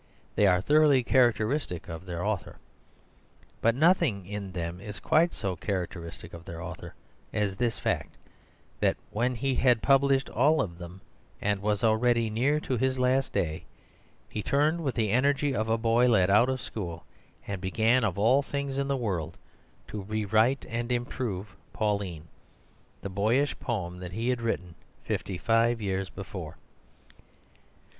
They are thoroughly characteristic of their author. But nothing in them is quite so characteristic of their author as this fact, that when he had published all of them, and was already near to his last day, he turned with the energy of a boy let out of school, and began, of all things in the world, to re write and improve "Pauline," the boyish poem that he had written fifty five years before.